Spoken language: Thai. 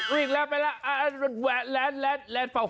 วิ่งแล้วไปแล้วแรนแรนเฝ้า